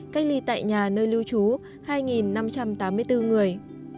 cách ly tại nhà nơi lưu trú hai năm trăm tám mươi bốn người